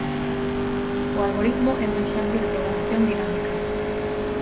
O algoritmo é un exemplo de programación dinámica.